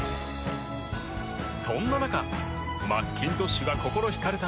そんな中マッキントッシュが心引かれたのは。